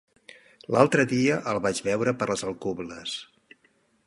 L'altre dia el vaig veure per les Alcubles.